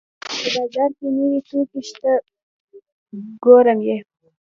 په بازار کې نوې توکي شته ګورم یې